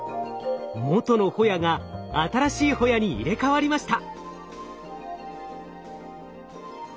元のホヤが新しいホヤに入れ代わりました。